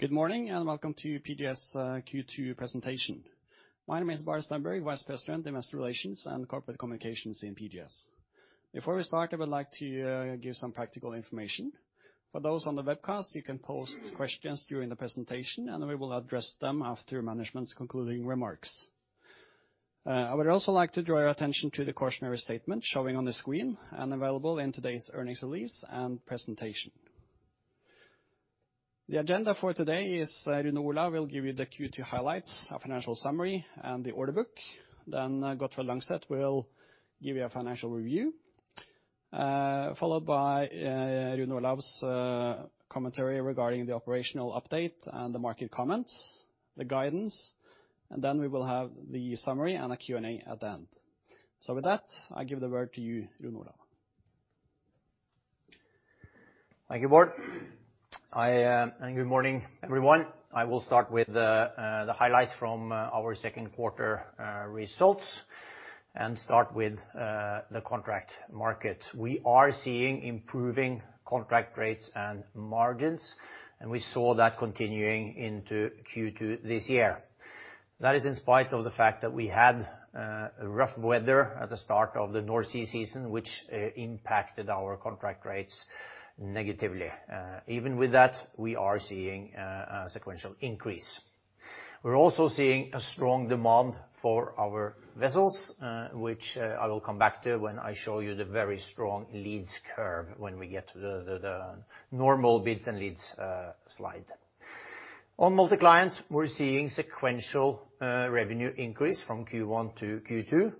Good morning, and welcome to PGS Q2 presentation. My name is Bjarte Strandberg, Vice President, Investor Relations and Corporate Communications in PGS. Before we start, I would like to give some practical information. For those on the webcast, you can post questions during the presentation, and we will address them after management's concluding remarks. I would also like to draw your attention to the cautionary statement showing on the screen and available in today's earnings release and presentation. The agenda for today is Rune Olav will give you the Q2 highlights, a financial summary, and the order book. Gottfred Langseth will give you a financial review, followed by Rune Olav's commentary regarding the operational update and the market comments, the guidance, and then we will have the summary and a Q&A at the end. With that, I give the word to you, Rune Olav. Thank you, Bjarte. Good morning, everyone. I will start with the highlights from our second quarter results, and start with the contract market. We are seeing improving contract rates and margins, and we saw that continuing into Q2 this year. That is in spite of the fact that we had rough weather at the start of the North Sea season, which impacted our contract rates negatively. Even with that, we are seeing a sequential increase. We're also seeing a strong demand for our vessels, which I will come back to when I show you the very strong leads curve when we get to the normal bids and leads slide. On multi-client, we're seeing sequential revenue increase from Q1 to Q2,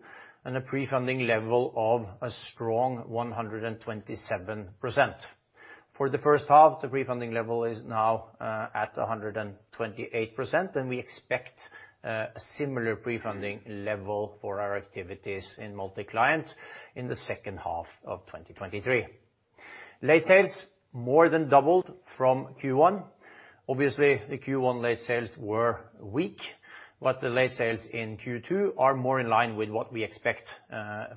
and a prefunding level of a strong 127%. For the first half, the prefunding level is now at 128%. We expect a similar prefunding level for our activities in multi-client in the second half of 2023. Late sales more than doubled from Q1. Obviously, the Q1 late sales were weak, but the late sales in Q2 are more in line with what we expect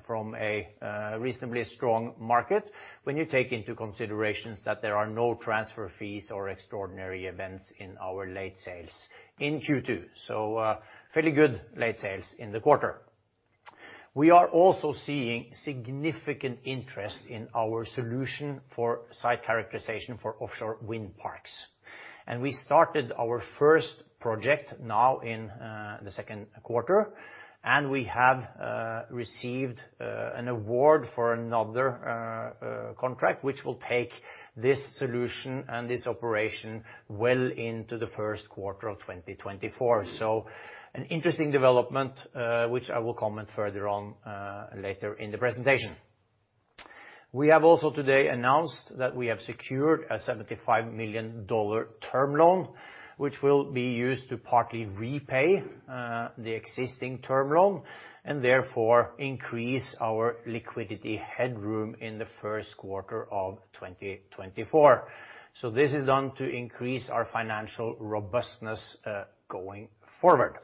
from a reasonably strong market when you take into considerations that there are no transfer fees or extraordinary events in our late sales in Q2. Fairly good late sales in the quarter. We are also seeing significant interest in our solution for site characterization for offshore wind parks. We started our first project now in the second quarter, and we have received an award for another contract, which will take this solution and this operation well into the first quarter of 2024. An interesting development, which I will comment further on later in the presentation. We have also today announced that we have secured a $75 million term loan, which will be used to partly repay the existing term loan, and therefore increase our liquidity headroom in the first quarter of 2024. This is done to increase our financial robustness going forward.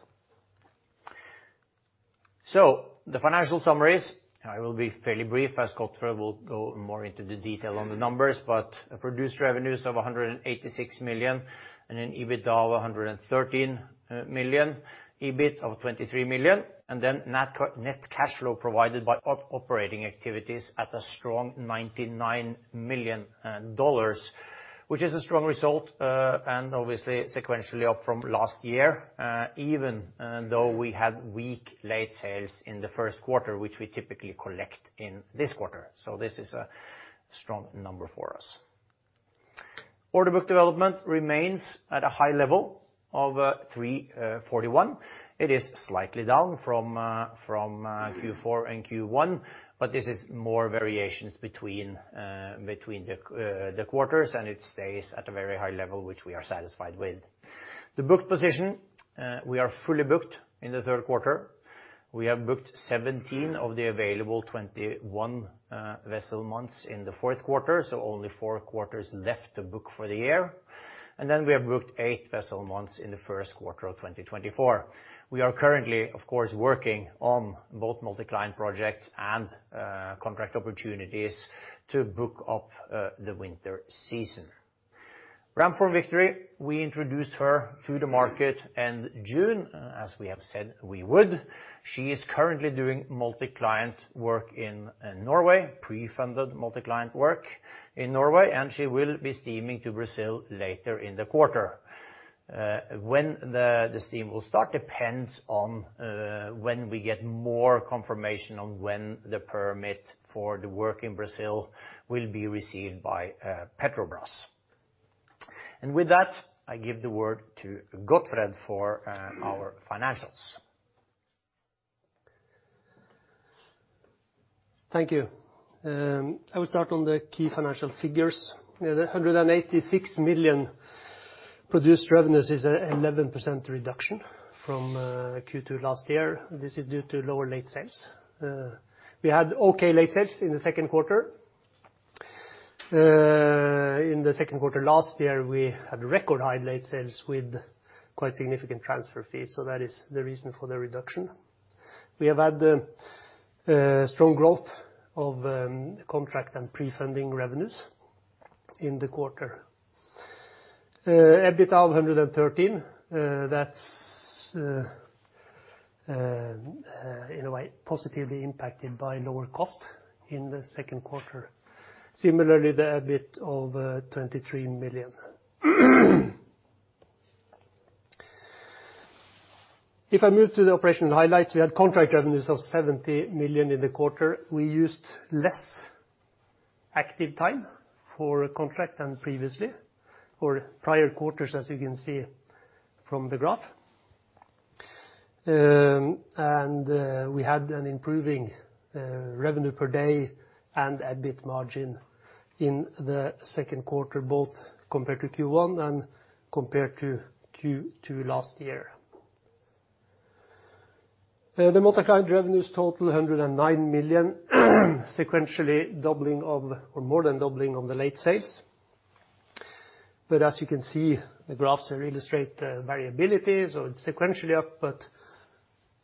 The financial summaries, I will be fairly brief, as Gottfred will go more into the detail on the numbers, but produced revenues of $186 million, and an EBITDA of $113 million, EBIT of $23 million, and then net cash flow provided by operating activities at a strong $99 million, which is a strong result, and obviously sequentially up from last year, even though we had weak late sales in the first quarter, which we typically collect in this quarter. This is a strong number for us. Order book development remains at a high level of $341 million. It is slightly down from Q4 and Q1, but this is more variations between the quarters, and it stays at a very high level, which we are satisfied with. The booked position, we are fully booked in the third quarter. We have booked 17 of the available 21 vessel months in the fourth quarter, so only four quarters left to book for the year. Then we have booked eight vessel months in the first quarter of 2024. We are currently, of course, working on both multi-client projects and contract opportunities to book up the winter season. Ramform Victory, we introduced her to the market in June, as we have said we would. She is currently doing multi-client work in Norway, pre-funded multi-client work in Norway, and she will be steaming to Brazil later in the quarter. When the steam will start depends on when we get more confirmation on when the permit for the work in Brazil will be received by Petrobras. With that, I give the word to Gottfred for our financials. Thank you. I will start on the key financial figures. The $186 million produced revenues is a 11% reduction from Q2 last year. This is due to lower late sales. We had okay late sales in the second quarter. In the second quarter last year, we had record high late sales with quite significant transfer fees. That is the reason for the reduction. We have had strong growth of contract and pre-funding revenues in the quarter. EBITDA of $113, that's in a way, positively impacted by lower cost in the second quarter. Similarly, the EBIT of $23 million. If I move to the operational highlights, we had contract revenues of $70 million in the quarter. We used less active time for a contract than previously, or prior quarters, as you can see from the graph. We had an improving revenue per day and EBIT margin in the second quarter, both compared to Q1 and compared to Q2 last year. The multi-client revenues total $109 million, sequentially doubling of, or more than doubling on the late sales. As you can see, the graphs illustrate the variabilities, or sequentially up, but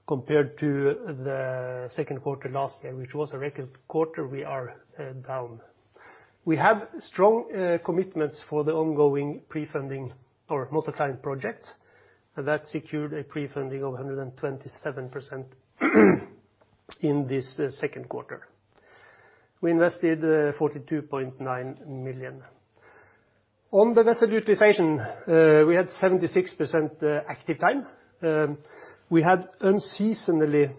compared to the second quarter last year, which was a record quarter, we are down. We have strong commitments for the ongoing pre-funding or multi-client projects, that secured a pre-funding of 127% in this second quarter. We invested $42.9 million. On the vessel utilization, we had 76% active time. We had unseasonably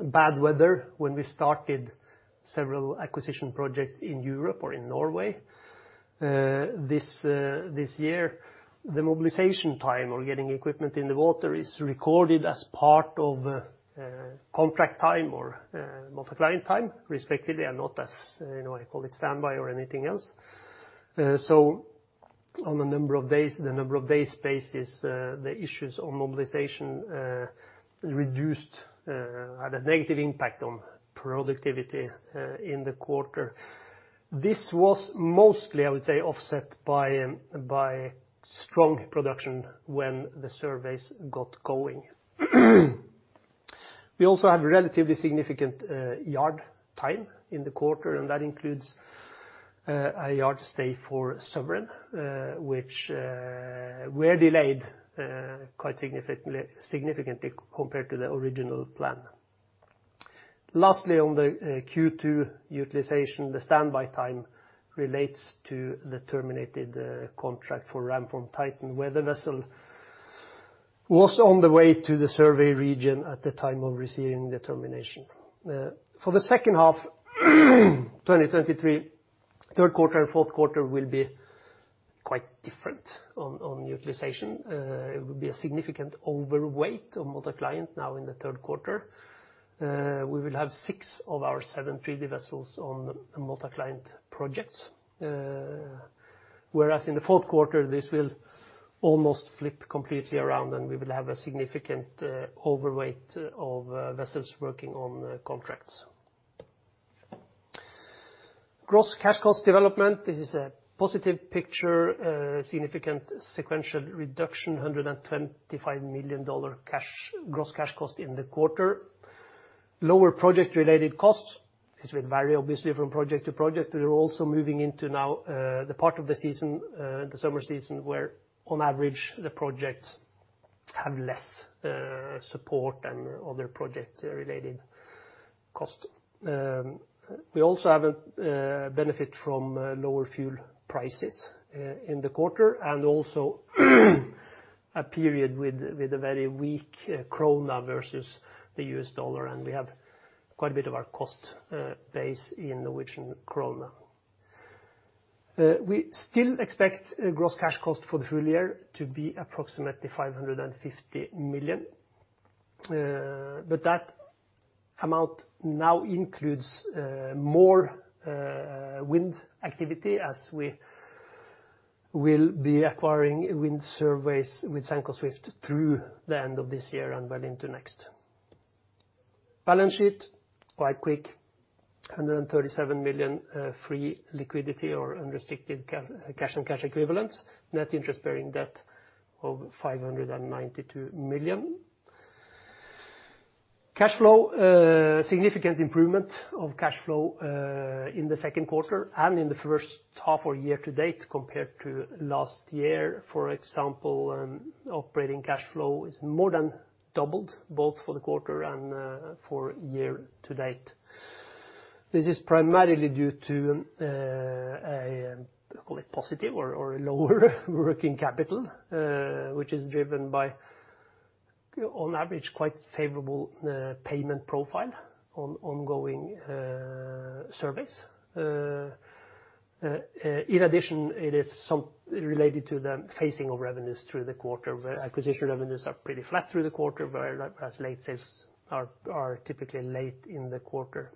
bad weather when we started several acquisition projects in Europe or in Norway. This year, the mobilization time or getting equipment in the water is recorded as part of contract time or multi-client time, respectively, and not as, you know, I call it standby or anything else. On the number of days basis, the issues on mobilization reduced had a negative impact on productivity in the quarter. This was mostly, I would say, offset by strong production when the surveys got going. We also had relatively significant yard time in the quarter, and that includes a yard stay for Sovereign, which were delayed quite significantly compared to the original plan. Lastly, on the Q2 utilization, the standby time relates to the terminated contract for Ramform Titan, where the vessel was on the way to the survey region at the time of receiving the termination. For the second half, 2023, third quarter and fourth quarter will be quite different on utilization. It will be a significant overweight of multi-client now in the third quarter. We will have six of our seven 3D vessels on multi-client projects. Whereas in the fourth quarter, this will almost flip completely around, and we will have a significant overweight of vessels working on contracts. Gross cash cost development, this is a positive picture, significant sequential reduction, $125 million gross cash cost in the quarter. Lower project-related costs, this will vary obviously from project to project. We are also moving into now the part of the season, the summer season, where on average, the projects have less support and other project-related cost. We also have a benefit from lower fuel prices in the quarter, and also a period with a very weak krona versus the US dollar, and we have quite a bit of our cost base in Norwegian krona. We still expect a gross cash cost for the full year to be approximately $550 million, but that amount now includes more wind activity as we will be acquiring wind surveys with Sanco Swift through the end of this year and well into next. Balance sheet, quite quick, $137 million free liquidity or unrestricted cash and cash equivalents. Net interest bearing debt of $592 million. Cash flow, significant improvement of cash flow in the second quarter and in the first half or year to date compared to last year. For example, operating cash flow is more than doubled, both for the quarter and for year to date. This is primarily due to call it positive or a lower working capital, which is driven by, on average, quite favorable payment profile on ongoing surveys. In addition, it is some related to the phasing of revenues through the quarter, where acquisition revenues are pretty flat through the quarter, where as late sales are typically late in the quarter.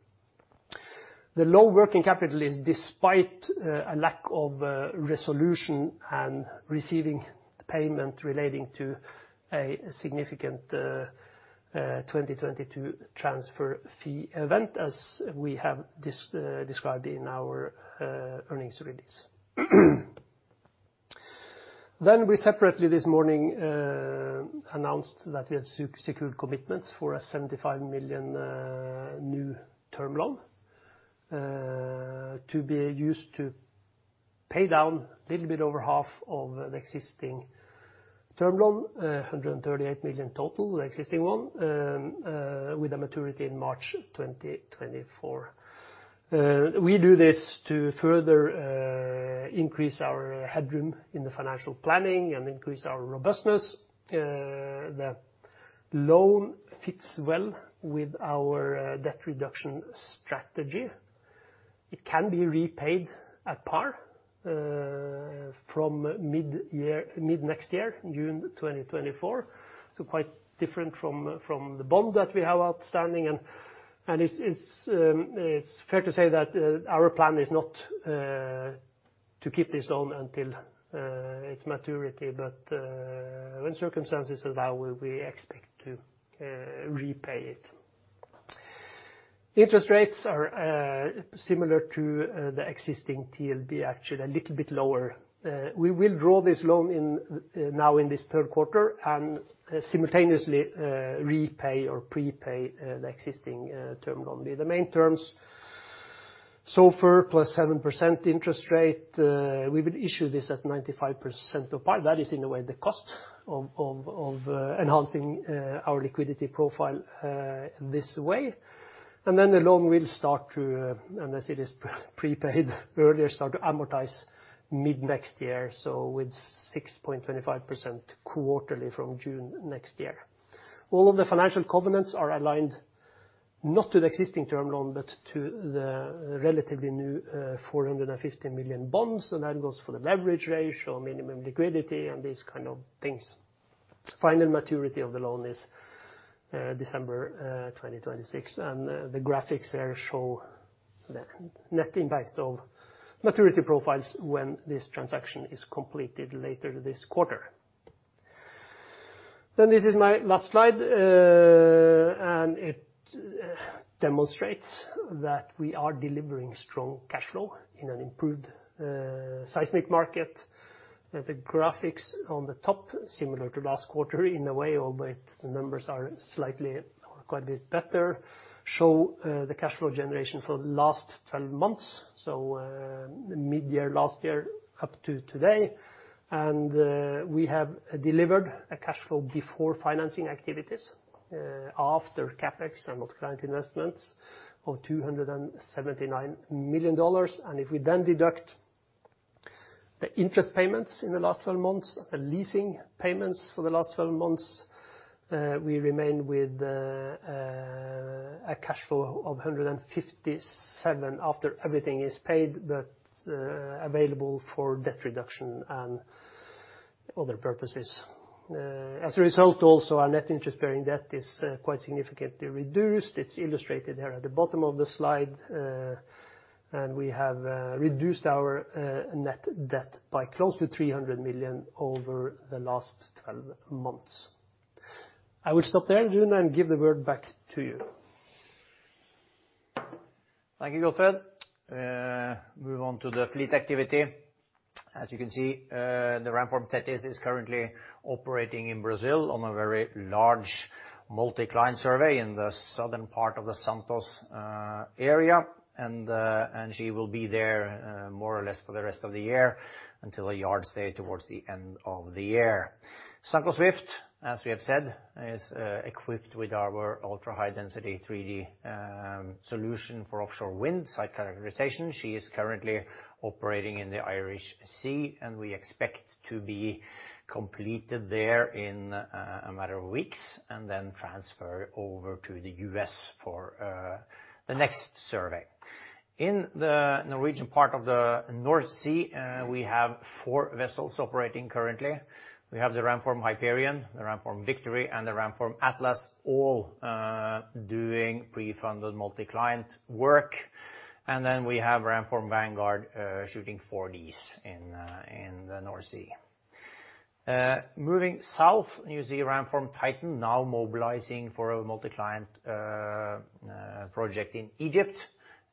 The low working capital is despite a lack of resolution and receiving payment relating to a significant 2022 transfer fee event, as we have described in our earnings release. We separately this morning announced that we had secured commitments for a $75 million new term loan to be used to pay down a little bit over half of the existing term loan, $138 million total, the existing one, with a maturity in March 2024. We do this to further increase our headroom in the financial planning and increase our robustness. The loan fits well with our debt reduction strategy. It can be repaid at par from mid next year, June 2024, quite different from the bond that we have outstanding. It's fair to say that our plan is not to keep this on until its maturity, when circumstances allow, we expect to repay it. Interest rates are similar to the existing TLB, actually a little bit lower. We will draw this loan now in this third quarter, and simultaneously repay or prepay the existing term loan with the main terms. Plus 7% interest rate, we will issue this at 95% of par. That is, in a way, the cost of enhancing our liquidity profile this way. The loan will start to, unless it is prepaid earlier, start to amortize mid next year, so with 6.25% quarterly from June next year. All of the financial covenants are aligned, not to the existing term loan, but to the relatively new $450 million bonds, that goes for the leverage ratio, minimum liquidity, and these kind of things. Final maturity of the loan is December 2026. The graphics there show the net impact of maturity profiles when this transaction is completed later this quarter. This is my last slide, and it demonstrates that we are delivering strong cash flow in an improved seismic market. The graphics on the top, similar to last quarter in a way, although the numbers are slightly or quite a bit better, show the cash flow generation for the last 12 months, so mid-year, last year, up to today. We have delivered a cash flow before financing activities, after CapEx and multi-client investments of $279 million. If we then deduct the interest payments in the last 12 months, the leasing payments for the last 12 months, we remain with a cash flow of $157 after everything is paid, but available for debt reduction and other purposes. As a result, also, our net interest-bearing debt is quite significantly reduced. It's illustrated there at the bottom of the slide, and we have reduced our net debt by close to $300 million over the last 12 months. I will stop there, Rune, and give the word back to you. Thank you, Gottfred. Move on to the fleet activity. As you can see, the Ramform Tethys is currently operating in Brazil on a very large multi-client survey in the southern part of the Santos area. She will be there more or less for the rest of the year, until a yard stay towards the end of the year. Sanco Swift, as we have said, is equipped with our ultra-high density 3D solution for offshore wind site characterization. She is currently operating in the Irish Sea. We expect to be completed there in a matter of weeks. Then transfer over to the US for the next survey. In the Norwegian part of the North Sea, we have four vessels operating currently. We have the Ramform Hyperion, the Ramform Victory, and the Ramform Atlas, all doing pre-funded multi-client work. We have Ramform Vanguard, shooting four Ds in the North Sea. Moving south, you see Ramform Titan now mobilizing for a multi-client project in Egypt,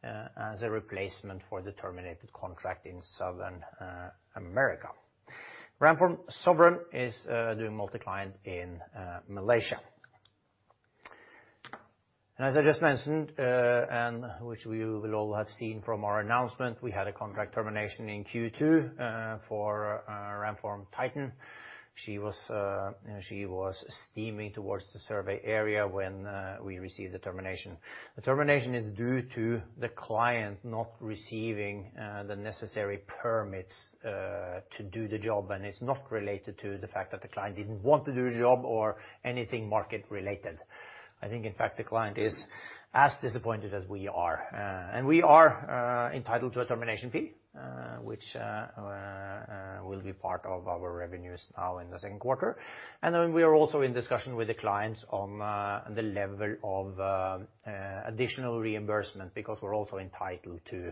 as a replacement for the terminated contract in South America. Ramform Sovereign is doing multi-client in Malaysia. As I just mentioned, and which we will all have seen from our announcement, we had a contract termination in Q2, for Ramform Titan. She was steaming towards the survey area when we received the termination. The termination is due to the client not receiving the necessary permits to do the job. It's not related to the fact that the client didn't want to do the job or anything market-related. I think, in fact, the client is as disappointed as we are. We are entitled to a termination fee which will be part of our revenues now in the second quarter. Then we are also in discussion with the clients on the level of additional reimbursement, because we're also entitled to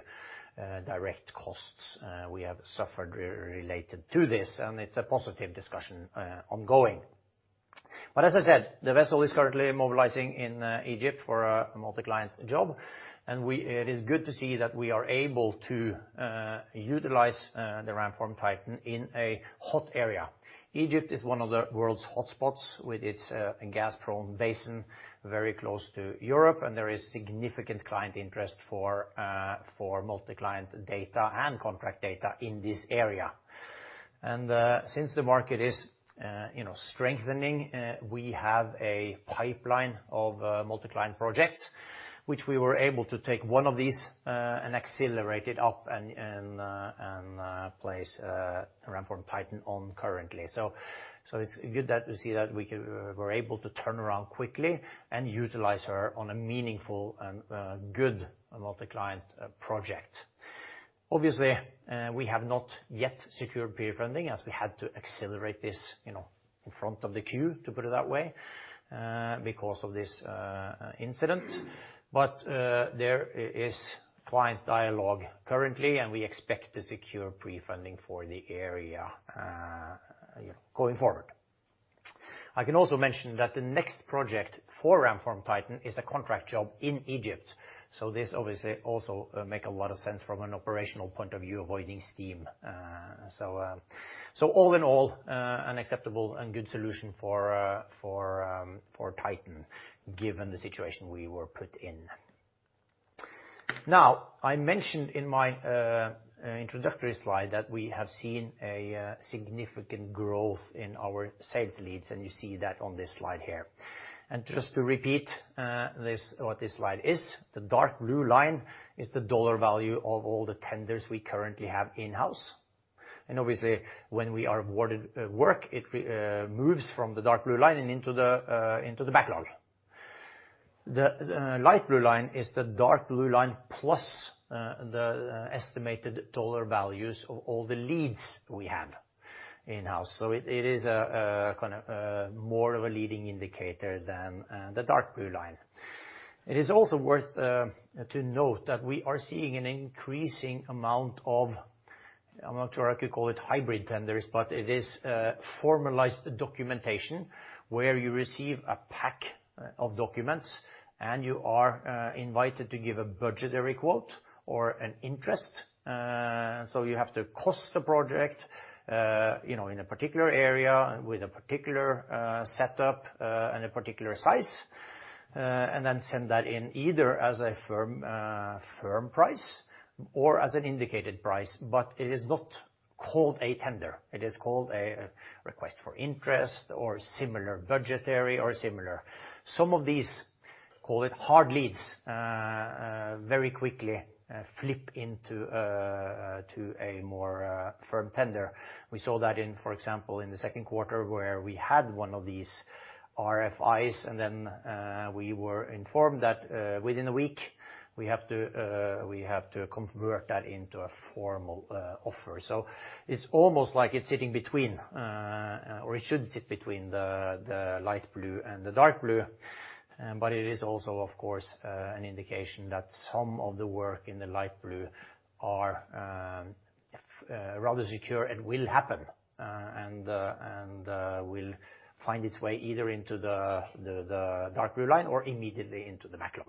direct costs we have suffered related to this. It's a positive discussion ongoing. As I said, the vessel is currently mobilizing in Egypt for a multi-client job. It is good to see that we are able to utilize the Ramform Titan in a hot area. Egypt is one of the world's hot spots, with its gas prone basin, very close to Europe. There is significant client interest for multi-client data and contract data in this area. Since the market is, you know, strengthening, we have a pipeline of multi-client projects, which we were able to take one of these and accelerate it up and place Ramform Titan on currently. It's good that we see that we're able to turn around quickly and utilize her on a meaningful and good multi-client project. Obviously, we have not yet secured pre-funding as we had to accelerate this, you know, in front of the queue, to put it that way, because of this incident. There is client dialogue currently, and we expect to secure pre-funding for the area going forward. I can also mention that the next project for Ramform Titan is a contract job in Egypt, so this obviously also make a lot of sense from an operational point of view, avoiding steam. All in all, an acceptable and good solution for Titan, given the situation we were put in. Now, I mentioned in my introductory slide that we have seen a significant growth in our sales leads, and you see that on this slide here. Just to repeat, this, what this slide is, the dark blue line is the dollar value of all the tenders we currently have in-house. Obviously, when we are awarded work, it moves from the dark blue line and into the backlog. The light blue line is the dark blue line, plus the estimated dollar values of all the leads we have in-house. It is a kind of more of a leading indicator than the dark blue line. It is also worth to note that we are seeing an increasing amount of, I'm not sure I could call it hybrid tenders, but it is formalized documentation, where you receive a pack of documents, and you are invited to give a budgetary quote or an interest. You have to cost the project, you know, in a particular area, with a particular setup, and a particular size. Send that in, either as a firm firm price or as an indicated price, but it is not called a tender. It is called a request for interest or similar budgetary or similar. Some of these, call it hard leads, very quickly flip into a more firm tender. We saw that in, for example, in the second quarter, where we had one of these RFIs, and then we were informed that within a week, we have to convert that into a formal offer. It's almost like it's sitting between, or it should sit between the light blue and the dark blue. It is also, of course, an indication that some of the work in the light blue are rather secure and will happen and will find its way either into the dark blue line or immediately into the backlog.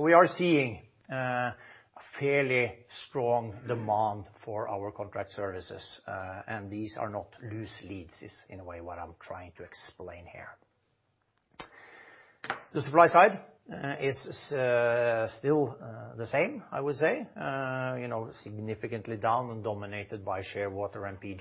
We are seeing a fairly strong demand for our contract services, and these are not loose leads, is in a way, what I'm trying to explain here. The supply side is still the same, I would say. You know, significantly down and dominated by Shearwater GeoServices and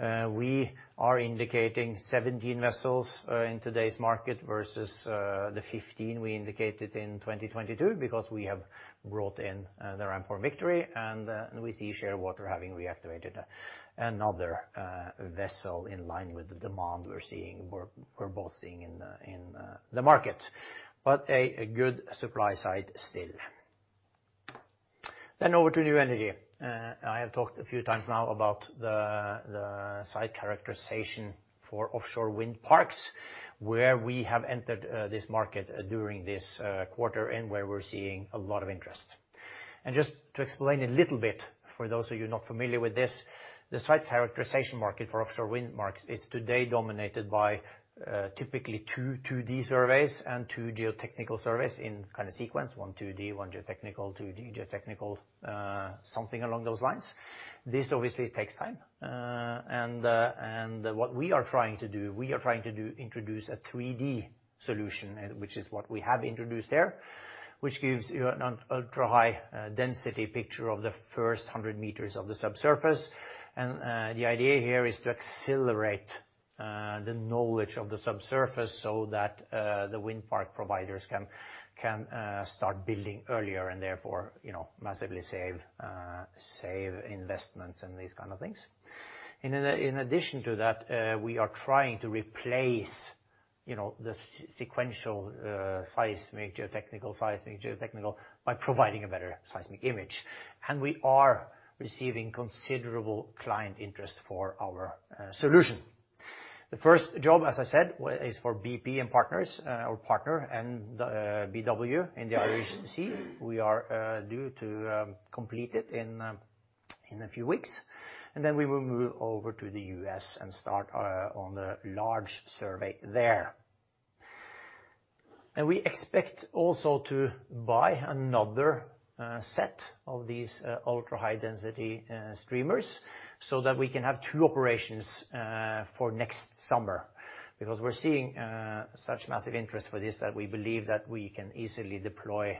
PGS. We are indicating 17 vessels in today's market versus the 15 we indicated in 2022, because we have brought in the Ramform Victory, and we see Shearwater GeoServices having reactivated another vessel in line with the demand we're both seeing in the market. A good supply side still. Over to new energy. I have talked a few times now about the site characterization for offshore wind parks, where we have entered this market during this quarter, and where we're seeing a lot of interest. Just to explain a little bit, for those of you not familiar with this, the site characterization market for offshore wind markets is today dominated by typically two 2D surveys and two geotechnical surveys in kind of sequence, one 2D, one geotechnical, 2D, geotechnical, something along those lines. This obviously takes time. What we are trying to do, we are trying to introduce a 3D solution, which is what we have introduced there, which gives you an ultra-high density picture of the first 100 meters of the subsurface. The idea here is to accelerate the knowledge of the subsurface so that the wind park providers can start building earlier, and therefore, you know, massively save investments and these kind of things. In addition to that, we are trying to replace, you know, the sequential seismic, geotechnical, seismic, geotechnical, by providing a better seismic image. We are receiving considerable client interest for our solution. The first job, as I said, is for BP and partners, or partner, and BW in the Irish Sea. We are due to complete it in a few weeks. We will move over to the US and start on the large survey there. We expect also to buy another set of these ultra-high density streamers, so that we can have two operations for next summer. We're seeing such massive interest for this, that we believe that we can easily deploy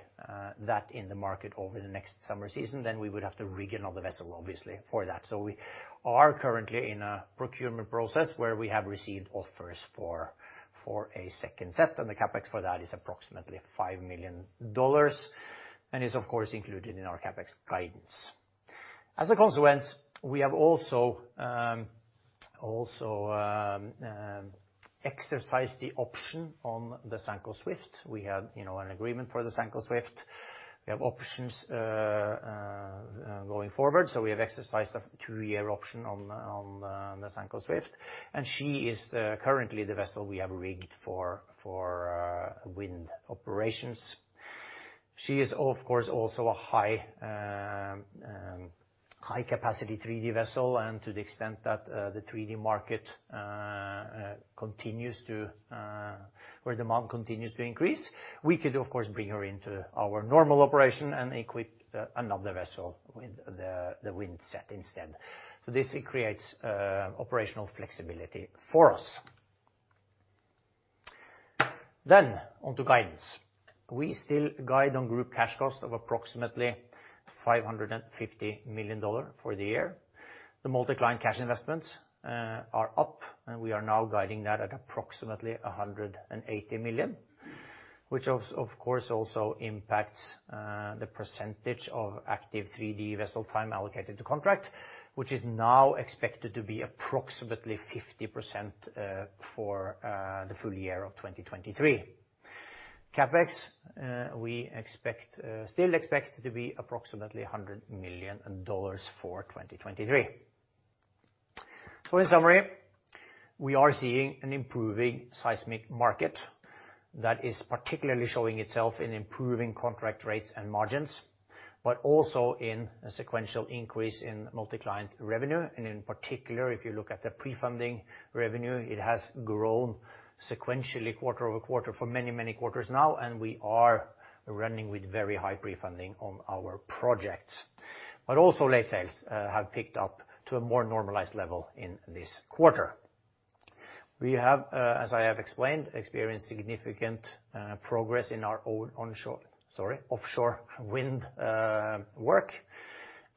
that in the market over the next summer season, then we would have to rig another vessel, obviously, for that. We are currently in a procurement process where we have received offers for a second set, and the CapEx for that is approximately $5 million, and is of course included in our CapEx guidance. As a consequence, we have also exercised the option on the Sanco Swift. We had, you know, an agreement for the Sanco Swift. We have options going forward, so we have exercised a two-year option on the Sanco Swift, and she is currently the vessel we have rigged for wind operations. She is, of course, also a high-capacity 3D vessel, to the extent that the 3D market continues to where demand continues to increase, we could, of course, bring her into our normal operation and equip another vessel with the wind set instead. This creates operational flexibility for us. Onto guidance. We still guide on gross cash cost of approximately $550 million for the year. The multi-client cash investments are up, and we are now guiding that at approximately $180 million, which of course, also impacts the percentage of active 3D vessel time allocated to contract, which is now expected to be approximately 50% for the full year of 2023. CapEx, we still expect to be approximately $100 million for 2023. In summary, we are seeing an improving seismic market that is particularly showing itself in improving contract rates and margins, but also in a sequential increase in multi-client revenue. In particular, if you look at the prefunding revenue, it has grown sequentially quarter-over-quarter for many, many quarters now, and we are running with very high prefunding on our projects. Also late sales have picked up to a more normalized level in this quarter. We have, as I have explained, experienced significant progress in our own offshore wind work,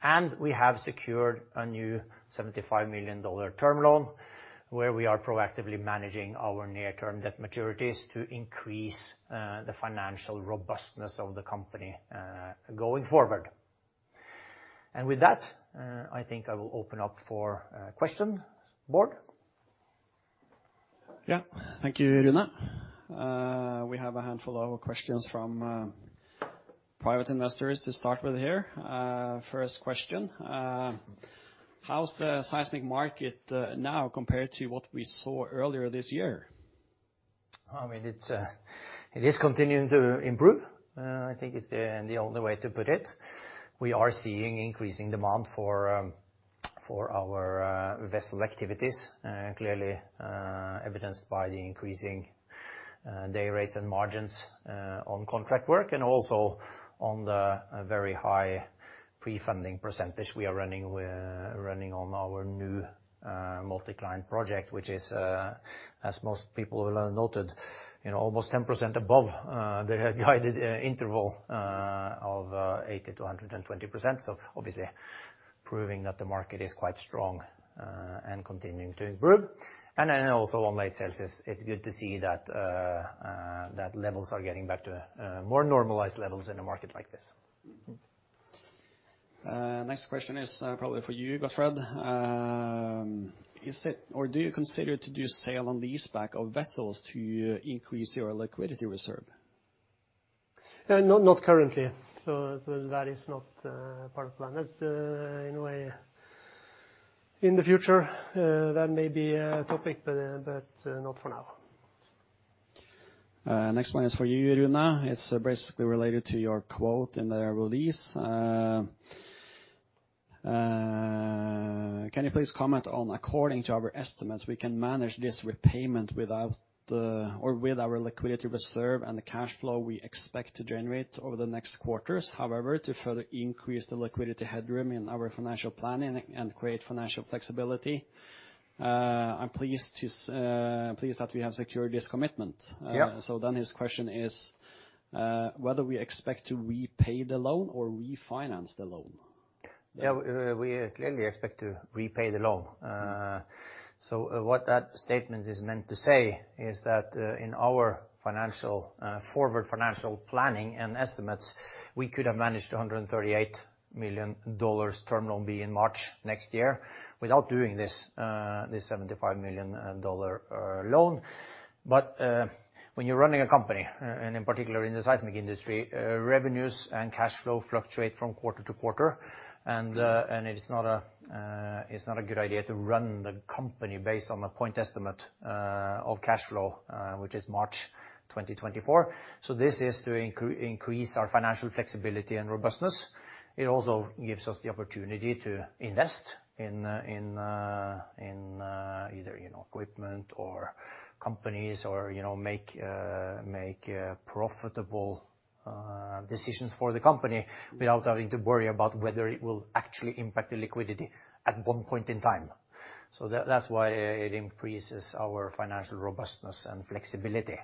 and we have secured a new $75 million term loan, where we are proactively managing our near-term debt maturities to increase the financial robustness of the company going forward. With that, I think I will open up for question, board? Yeah. Thank you, Rune. We have a handful of questions from private investors to start with here. First question: How's the seismic market now compared to what we saw earlier this year? I mean, it's it is continuing to improve. I think it's the only way to put it. We are seeing increasing demand for for our vessel activities, clearly evidenced by the increasing day rates and margins on contract work, and also on the very high prefunding percentage we are running on our new multi-client project, which is as most people have noted, you know, almost 10% above the guided interval of 80%-120%. Obviously, proving that the market is quite strong and continuing to improve. Also on late sales, it's good to see that that levels are getting back to more normalized levels in a market like this. Next question is, probably for you, Gottfred. Do you consider to do sale on the leaseback of vessels to increase your liquidity reserve? Not currently. That is not part of the plan. It's in a way, in the future, that may be a topic, but not for now. Next one is for you, Rune. It's basically related to your quote in the release. Can you please comment on, "According to our estimates, we can manage this repayment without the or with our liquidity reserve and the cash flow we expect to generate over the next quarters. However, to further increase the liquidity headroom in our financial planning and create financial flexibility, I'm pleased that we have secured this commitment. Yeah. His question is whether we expect to repay the loan or refinance the loan? Yeah, we clearly expect to repay the loan. What that statement is meant to say is that, in our financial, forward financial planning and estimates, we could have managed $138 million Term Loan B in March next year without doing this $75 million loan. When you're running a company, and in particular in the seismic industry, revenues and cash flow fluctuate from quarter to quarter. It is not a good idea to run the company based on the point estimate of cash flow, which is March 2024. This is to increase our financial flexibility and robustness. It also gives us the opportunity to invest in either, you know, equipment or companies or, you know, make profitable decisions for the company without having to worry about whether it will actually impact the liquidity at one point in time. That's why it increases our financial robustness and flexibility.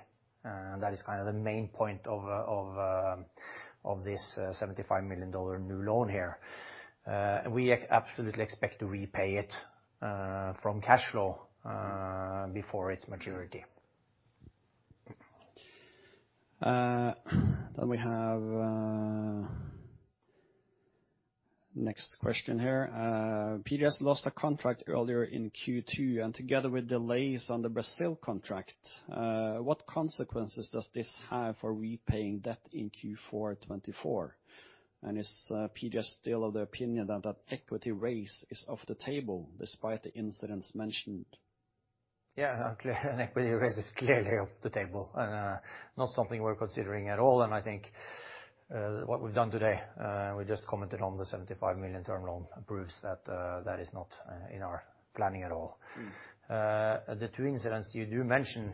That is kind of the main point of this $75 million new loan here. We absolutely expect to repay it from cash flow before its maturity. We have next question here. PGS lost a contract earlier in Q2, and together with delays on the Brazil contract, what consequences does this have for repaying debt in Q4 2024? Is PGS still of the opinion that an equity raise is off the table despite the incidents mentioned? Yeah, clear, an equity raise is clearly off the table. Not something we're considering at all, and I think, what we've done today, we just commented on the $75 million Term Loan proves that is not in our planning at all. Mm. The two incidents you do mention,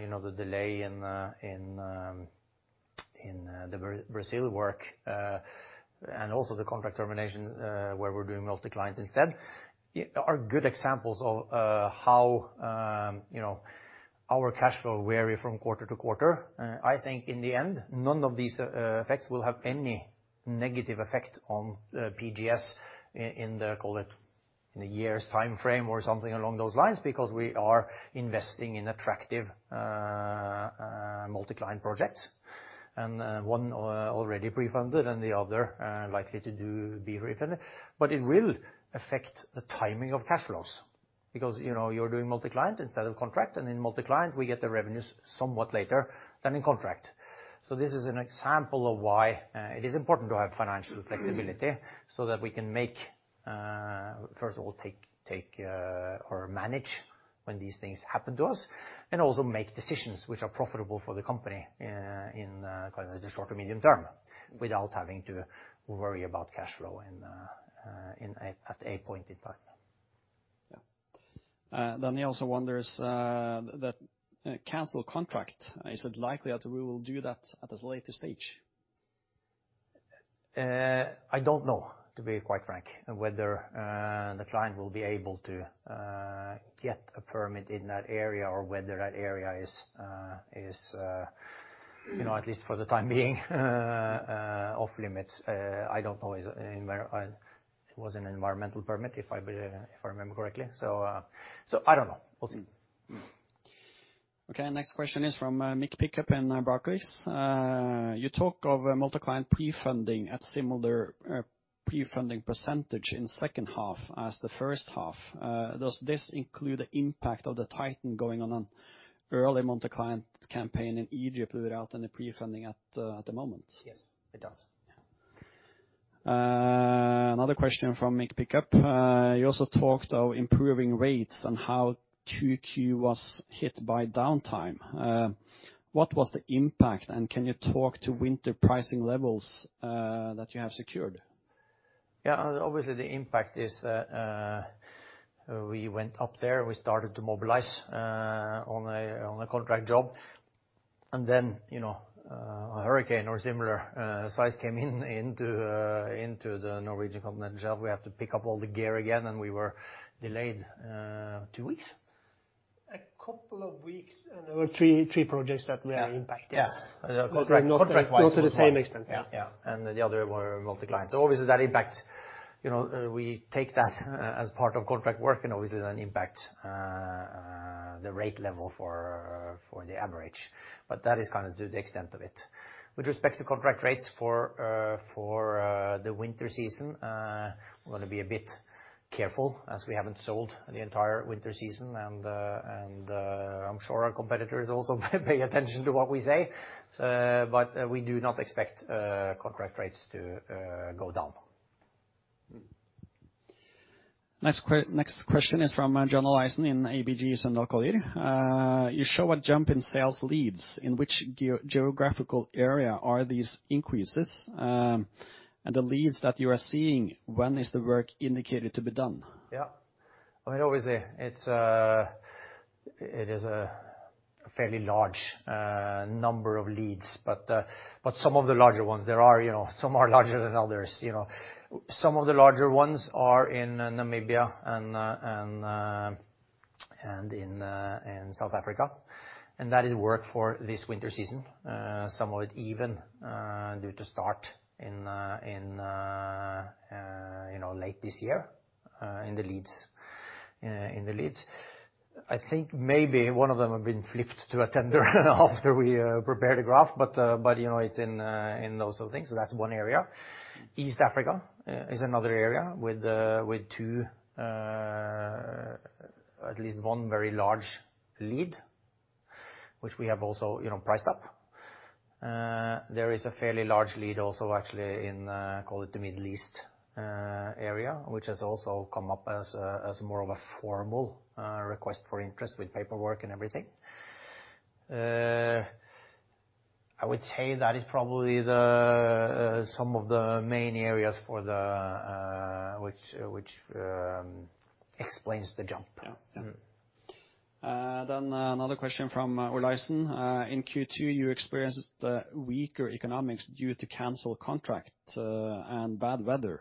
you know, the delay in Brazil work, and also the contract termination, where we're doing multi-client instead, are good examples of how, you know, our cash flow vary from quarter to quarter. I think in the end, none of these effects will have any negative effect on PGS in the, call it, in a year's time frame or something along those lines, because we are investing in attractive multi-client projects, and one already pre-funded and the other likely to be refunded. It will affect the timing of cash flows, because, you know, you're doing multi-client instead of contract, and in multi-client, we get the revenues somewhat later than in contract. This is an example of why, it is important to have financial flexibility. Mm. that we can make, first of all, take, or manage when these things happen to us, and also make decisions which are profitable for the company in, kind of the short to medium term, without having to worry about cash flow at a point in time. Yeah. He also wonders, that, cancel contract, is it likely that we will do that at this later stage? I don't know, to be quite frank, whether the client will be able to get a permit in that area or whether that area is, you know, at least for the time being, off limits. I don't know, is, it was an environmental permit, if I remember correctly. So I don't know, we'll see. Okay, next question is from Mick Pickup in Barclays. You talk of a multi-client pre-funding at similar pre-funding % in second half as the first half. Does this include the impact of the Titan going on an early multi-client campaign in Egypt without any pre-funding at the moment? Yes, it does. Yeah. Another question from Mick Pickup. You also talked of improving rates and how 2Q was hit by downtime. What was the impact, and can you talk to winter pricing levels that you have secured? Yeah, obviously, the impact is, we went up there, we started to mobilize, on a, on a contract job. You know, a hurricane or similar, size came in, into the Norwegian continental shelf. We had to pick up all the gear again, and we were delayed, two weeks? A couple of weeks, and there were three projects that were impacted. Yeah, yeah. contract-wise. Not to the same extent. Yeah, yeah. The other were multi-client. Obviously, that impacts. You know, we take that as part of contract work, and obviously that impact the rate level for the average. That is kind of to the extent of it. With respect to contract rates for the winter season, I'm gonna be a bit careful, as we haven't sold the entire winter season, and I'm sure our competitors also pay attention to what we say. We do not expect contract rates to go down. Next question is from John Olaisen in ABG Sundal Collier. You show a jump in sales leads. In which geographical area are these increases? The leads that you are seeing, when is the work indicated to be done? Yeah. I mean, obviously, it's, it is a fairly large number of leads. Some of the larger ones, there are, you know, some are larger than others, you know. Some of the larger ones are in Namibia and in South Africa, and that is work for this winter season. Some of it even, due to start in, you know, late this year, in the leads, in the leads. I think maybe one of them have been flipped to a tender after we, prepared the graph, but, you know, it's in those sort of things. That's one area. East Africa, is another area with two, at least one very large lead, which we have also, you know, priced up. There is a fairly large lead also actually in call it the Middle East area, which has also come up as more of a formal request for interest with paperwork and everything. I would say that is probably the some of the main areas for the which explains the jump. Yeah. Mm-hmm. Another question from Olaisen. In Q2, you experienced the weaker economics due to canceled contract and bad weather.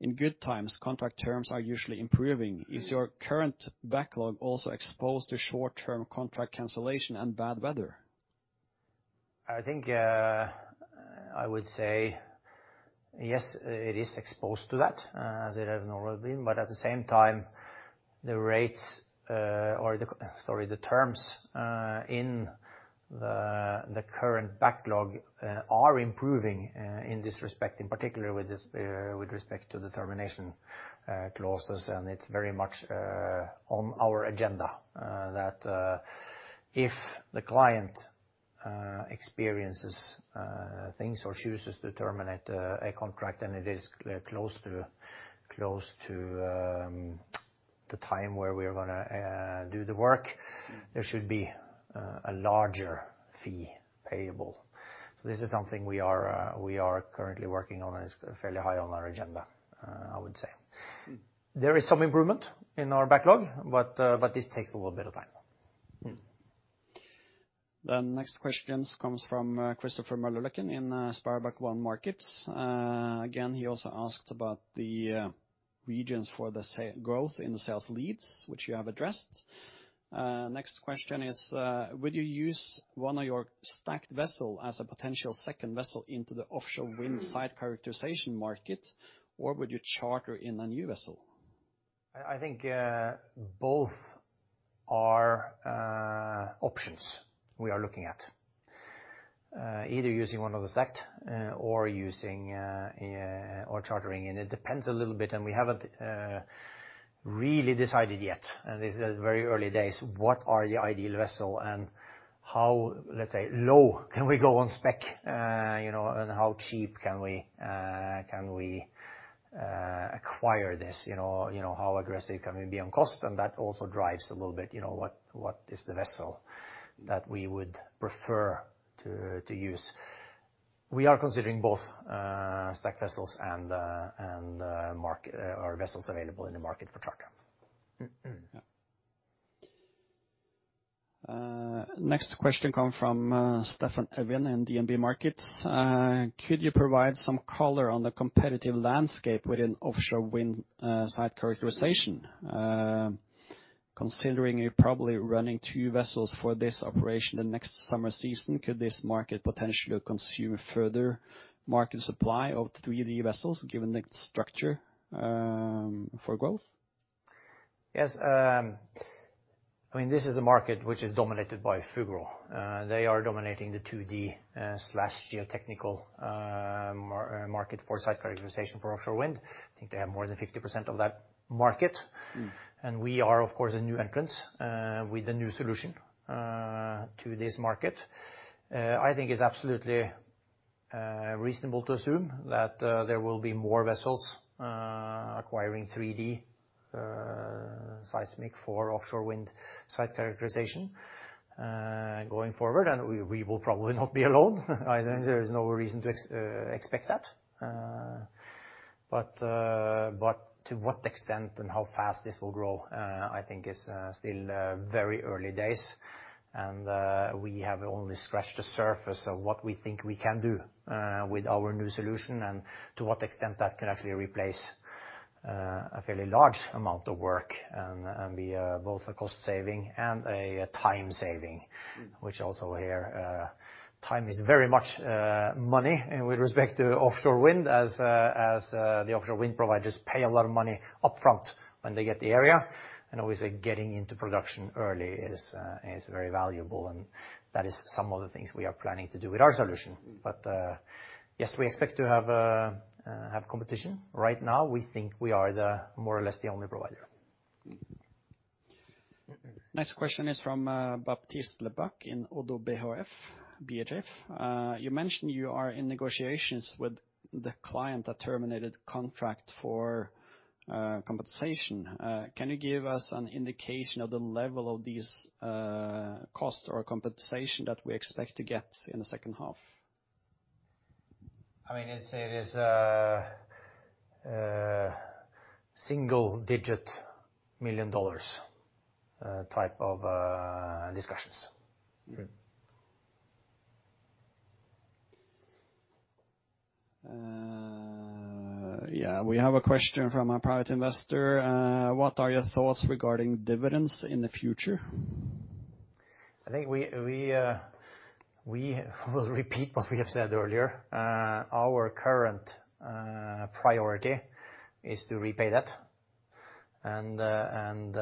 In good times, contract terms are usually improving. Mm-hmm. Is your current backlog also exposed to short-term contract cancellation and bad weather? I think, I would say, yes, it is exposed to that, as it has already been, but at the same time, the rates or the, sorry, the terms, in the current backlog, are improving, in this respect, in particular, with this, with respect to the termination, clauses. It's very much, on our agenda, that, if the client, experiences, things or chooses to terminate, a contract, and it is close to, the time where we are gonna, do the work... Mm-hmm There should be a larger fee payable. This is something we are currently working on, and it's fairly high on our agenda, I would say. Mm-hmm. There is some improvement in our backlog, but this takes a little bit of time. The next questions comes from Christopher Møllerløkken in SpareBank 1 Markets. Again, he also asked about the regions for the growth in the sales leads, which you have addressed. Next question is, would you use one of your stacked vessel as a potential second vessel into the offshore wind site characterization market, or would you charter in a new vessel? I think both are options we are looking at. Either using one of the stacked, or using, or chartering, and it depends a little bit, and we haven't really decided yet, and this is very early days, what are the ideal vessel and how, let's say, low can we go on spec, you know, and how cheap can we acquire this? You know, how aggressive can we be on cost? That also drives a little bit, you know, what is the vessel that we would prefer to use. We are considering both stacked vessels and, uh, or vessels available in the market for charter. Next question come from Steffen Evjen in DNB Markets. Could you provide some color on the competitive landscape within offshore wind site characterization? Considering you're probably running two vessels for this operation the next summer season, could this market potentially consume further market supply of 3D vessels, given the structure for growth? I mean, this is a market which is dominated by Fugro. They are dominating the 2D, slash geotechnical market for site characterization for offshore wind. I think they have more than 50% of that market. Mm-hmm. We are, of course, a new entrance with a new solution to this market. I think it's absolutely reasonable to assume that there will be more vessels acquiring 3D seismic for offshore wind site characterization going forward, and we will probably not be alone. I think there is no reason to expect that. To what extent and how fast this will grow, I think is still very early days, and we have only scratched the surface of what we think we can do with our new solution and to what extent that can actually replace a fairly large amount of work and be both a cost saving and a time saving. Mm-hmm. Which also here, time is very much money, with respect to offshore wind as the offshore wind providers pay a lot of money upfront when they get the area. Always, getting into production early is very valuable, and that is some of the things we are planning to do with our solution. Mm-hmm. Yes, we expect to have competition. Right now, we think we are the more or less the only provider. Next question is from Baptiste Lebacq in ODDO BHF. You mentioned you are in negotiations with the client that terminated contract for compensation. Can you give us an indication of the level of these cost or compensation that we expect to get in the second half? I mean, it is single-digit million dollars type of discussions. Okay. Yeah, we have a question from a private investor. What are your thoughts regarding dividends in the future? I think we will repeat what we have said earlier. Our current priority is to repay debt and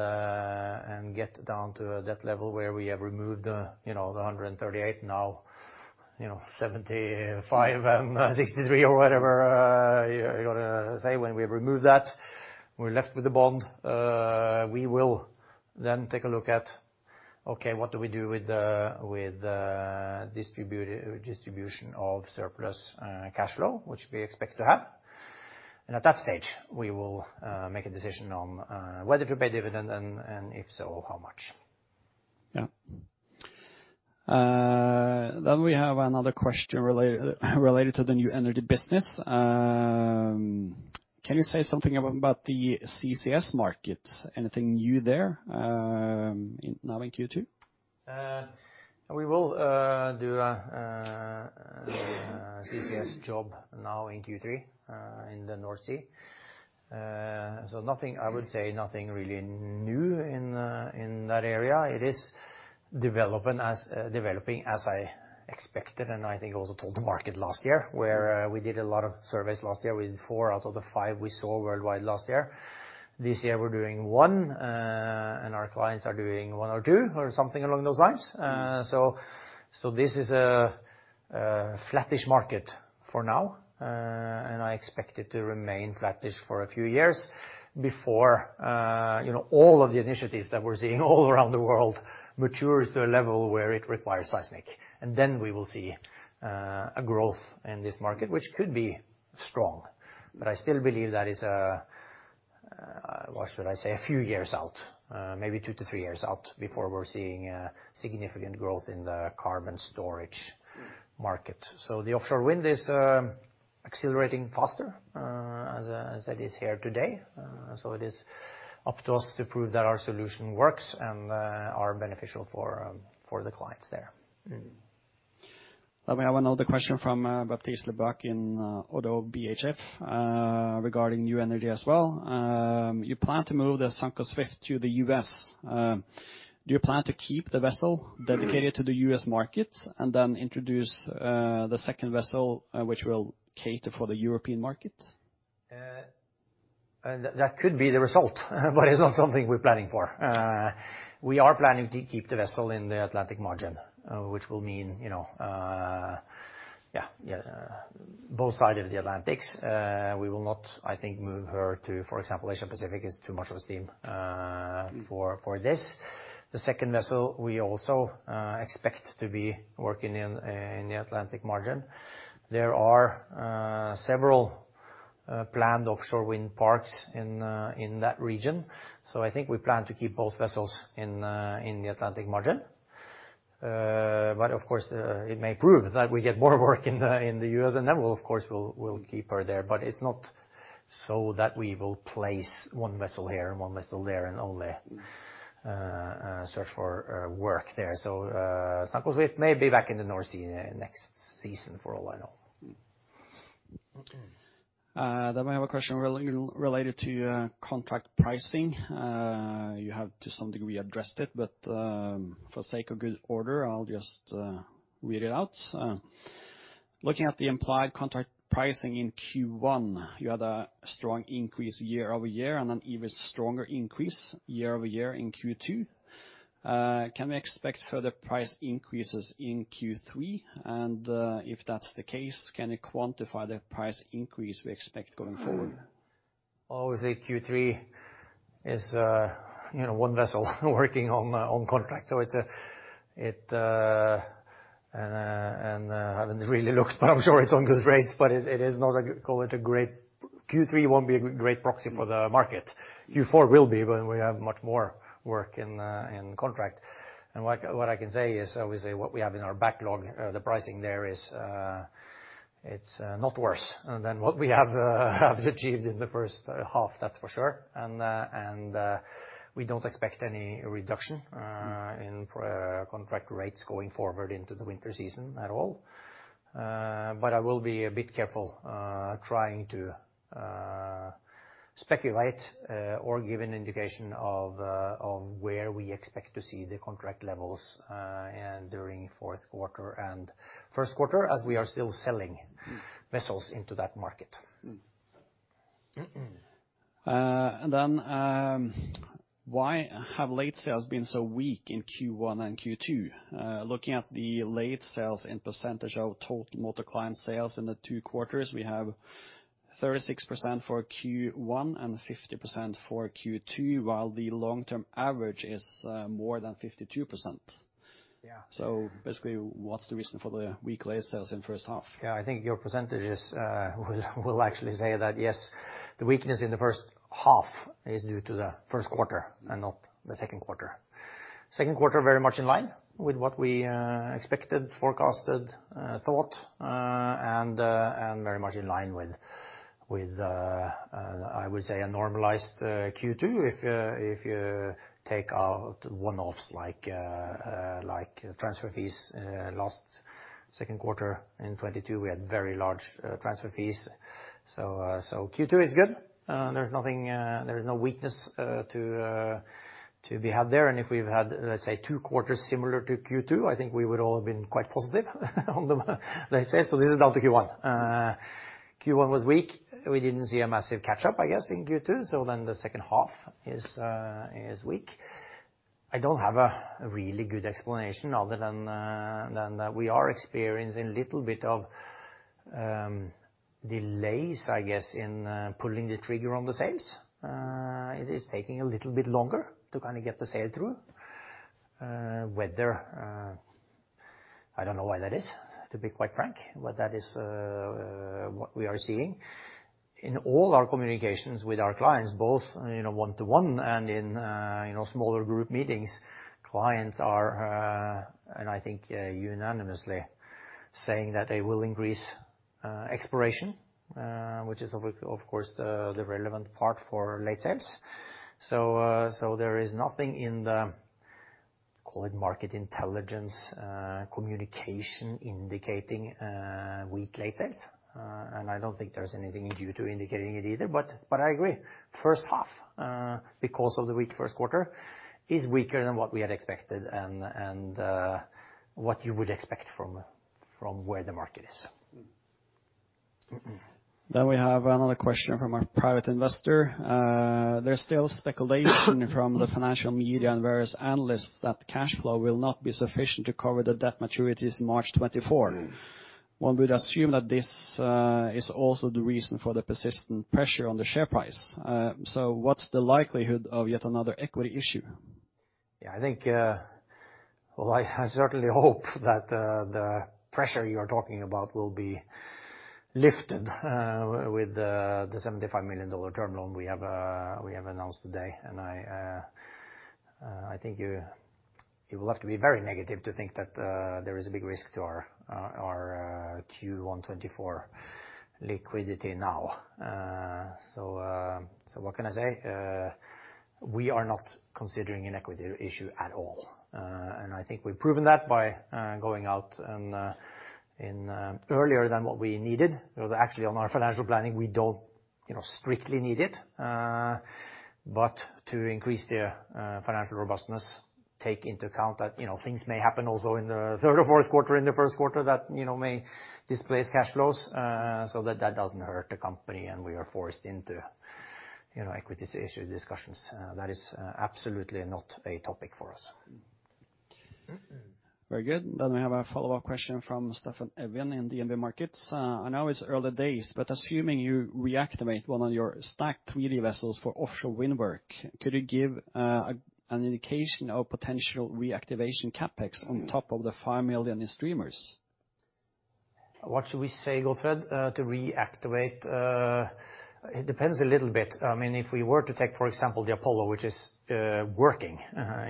get down to a debt level where we have removed, you know, the 138 now... you know, 75 and 63 or whatever, you gotta say when we remove that, we're left with the bond. We will then take a look at, okay, what do we do with the distribution of surplus cash flow, which we expect to have? At that stage, we will make a decision on whether to pay dividend, and if so, how much. Yeah. We have another question related to the new energy business. Can you say something about the CCS markets? Anything new there, now in Q2? We will do a CCS job now in Q3 in the North Sea. I would say nothing really new in that area. It is developing as developing as I expected, and I think I also told the market last year, where we did a lot of surveys last year. We did four out of the five we saw worldwide last year. This year, we're doing one, and our clients are doing one or two, or something along those lines. This is a flattish market for now. I expect it to remain flattish for a few years before, you know, all of the initiatives that we're seeing all around the world matures to a level where it requires seismic. We will see a growth in this market, which could be strong. I still believe that is a, what should I say? A few years out, maybe two to three years out, before we're seeing a significant growth in the carbon storage market. The offshore wind is accelerating faster, as it is here today. It is up to us to prove that our solution works and are beneficial for the clients there. We have another question from Baptiste Lebacq in ODDO BHF regarding new energy as well. You plan to move the Sanco Swift to the U.S. Do you plan to keep the vessel dedicated to the U.S. market, and then introduce the second vessel which will cater for the European market? That could be the result, but it's not something we're planning for. We are planning to keep the vessel in the Atlantic margin, which will mean, you know, yeah, both sides of the Atlantic. We will not, I think, move her to, for example, Asia Pacific. It's too much of a steam for this. The second vessel, we also expect to be working in the Atlantic margin. There are several planned offshore wind parks in that region, I think we plan to keep both vessels in the Atlantic margin. Of course, it may prove that we get more work in the U.S., then, well, of course, we'll keep her there. It's not so that we will place one vessel here and one vessel there and only search for work there. Sanco Swift may be back in the North Sea next season for all I know. Okay. We have a question related to contract pricing. You have, to some degree, addressed it, but for sake of good order, I'll just read it out. Looking at the implied contract pricing in Q1, you had a strong increase year-over-year, and an even stronger increase year-over-year in Q2. Can we expect further price increases in Q3? If that's the case, can you quantify the price increase we expect going forward? Always say Q3 is, you know, one vessel working on contract, so it's. I haven't really looked, but I'm sure it's on good rates, but it is not, call it a great. Q3 won't be a great proxy for the market. Q4 will be, when we have much more work in contract. What I can say is, obviously, what we have in our backlog, the pricing there is, it's not worse than what we have achieved in the first half, that's for sure. We don't expect any reduction in contract rates going forward into the winter season at all. reful trying to speculate or give an indication of where we expect to see the contract levels during fourth quarter and first quarter, as we are still selling vessels into that market Why have late sales been so weak in Q1 and Q2? Looking at the late sales in percentage of total multi-client sales in the two quarters, we have 36% for Q1 and 50% for Q2, while the long-term average is more than 52%. Yeah. Basically, what's the reason for the weak late sales in first half? Yeah, I think your percentages will actually say that, yes, the weakness in the first half is due to the first quarter and not the second quarter. Second quarter, very much in line with what we expected, forecasted, thought, and very much in line with a normalized Q2, if you take out one-offs like transfer fees. Last second quarter in 2022, we had very large transfer fees. Q2 is good. There's nothing. There is no weakness to be had there. If we've had, let's say, two quarters similar to Q2, I think we would all have been quite positive on the say. This is down to Q1. Q1 was weak. We didn't see a massive catch-up, I guess, in Q2. The second half is weak. I don't have a really good explanation other than that we are experiencing little bit of delays, I guess, in pulling the trigger on the sales. It is taking a little bit longer to kind of get the sale through. Whether I don't know why that is, to be quite frank, but that is what we are seeing. In all our communications with our clients, both, you know, one-to-one and in, you know, smaller group meetings, clients are, and I think unanimously saying that they will increase exploration, which is of course, the relevant part for late sales. There is nothing in the, call it market intelligence, communication indicating, weak late sales, and I don't think there's anything in Q2 indicating it either. I agree, first half, because of the weak first quarter, is weaker than what we had expected and what you would expect from where the market is. We have another question from a private investor. There's still speculation from the financial media and various analysts that cash flow will not be sufficient to cover the debt maturities March 2024. One would assume that this is also the reason for the persistent pressure on the share price. What's the likelihood of yet another equity issue? I think, well, I certainly hope that the pressure you are talking about will be lifted with the $75 million term loan we have announced today. I think you will have to be very negative to think that there is a big risk to our Q1 2024 liquidity now. What can I say? We are not considering an equity issue at all, and I think we've proven that by going out and in earlier than what we needed. It was actually on our financial planning, we don't, you know, strictly need it, but to increase the financial robustness, take into account that, you know, things may happen also in the third or fourth quarter, in the first quarter that, you know, may displace cash flows, so that that doesn't hurt the company and we are forced into, you know, equities issue discussions. That is absolutely not a topic for us. Very good. We have a follow-up question from Steffen Evjen in DNB Markets. I know it's early days, but assuming you reactivate one of your stacked 3D vessels for offshore wind work, could you give an indication of potential reactivation CapEx on top of the $5 million in streamers? What should we say, Gottfred, to reactivate? It depends a little bit. I mean, if we were to take, for example, the Apollo, which is working,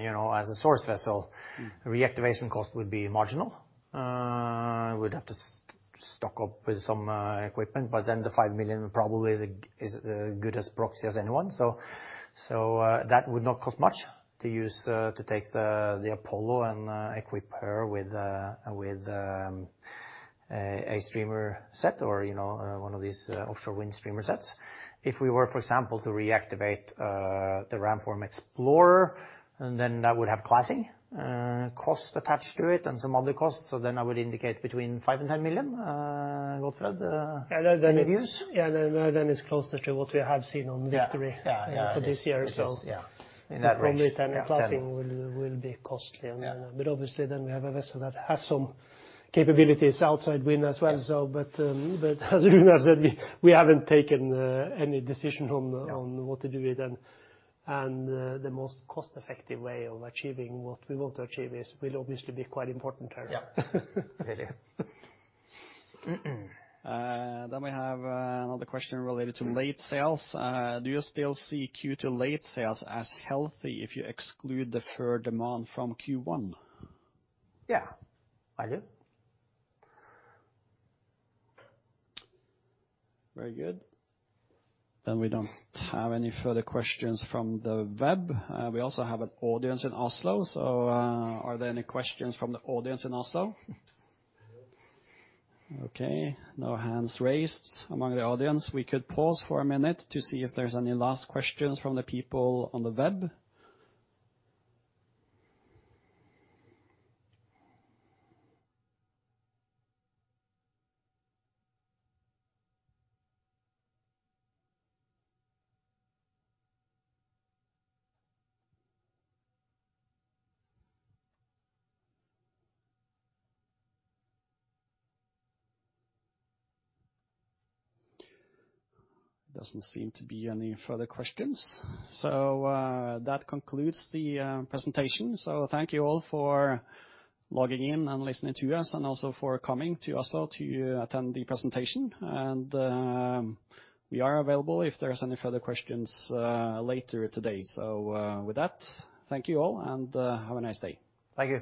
you know, as a source vessel. Mm. reactivation cost would be marginal. We'd have to stock up with some equipment, but then the $5 million probably is good as proxy as anyone. That would not cost much to use to take the Apollo and equip her with a streamer set or, you know, one of these offshore wind streamer sets. If we were, for example, to reactivate the Ramform Explorer, that would have classing cost attached to it, and some other costs. I would indicate between $5 million and $10 million. Gottfred, any views? Yeah, then it's closer to what we have seen on Victory. Yeah, yeah. for this year, so. Yeah. In that probably then the classing will be costly. Yeah. Obviously, then we have a vessel that has some capabilities outside wind as well. Yeah. But as Rune have said, we haven't taken any decision. Yeah On what to do with them. The most cost-effective way of achieving what we want to achieve will obviously be quite important here. Yeah, very. We have another question related to late sales. Do you still see Q2 late sales as healthy if you exclude the third demand from Q1? Yeah, I do. Very good. We don't have any further questions from the web. We also have an audience in Oslo, are there any questions from the audience in Oslo? Okay, no hands raised among the audience. We could pause for a minute to see if there's any last questions from the people on the web. Doesn't seem to be any further questions, that concludes the presentation. Thank you all for logging in and listening to us and also for coming to Oslo to attend the presentation. We are available if there's any further questions later today. With that, thank you all, have a nice day. Thank you.